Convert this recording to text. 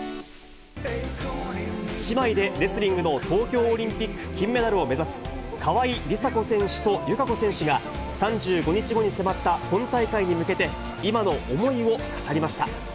姉妹でレスリングの東京オリンピック金メダルを目指す、川井梨紗子選手と友香子選手が、３５日後に迫った本大会に向けて、今の思いを語りました。